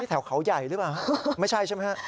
แถวเขาใหญ่หรือเปล่าไม่ใช่ใช่ไหมฮะ